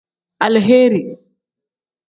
Aleheeri.